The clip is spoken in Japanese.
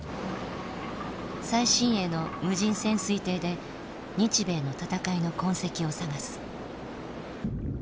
最新鋭の無人潜水艇で日米の戦いの痕跡を探す。